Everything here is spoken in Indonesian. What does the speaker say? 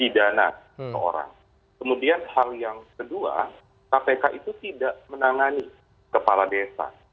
dan kemudian hal yang kedua kpk itu tidak menangani kepala desa